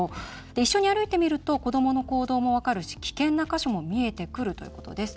一緒に歩いてみると子どもの行動も分かるし危険な箇所も見えてくるということです。